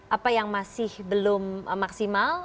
apa yang masih belum maksimal